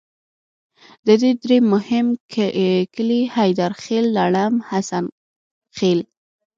د دې درې مهم کلي حیدرخیل، لړم، حسن خیل.